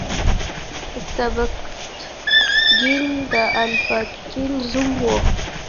سبکتګین د الپتکین زوم و.